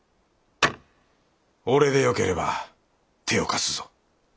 俺でよければ手を貸すぞ。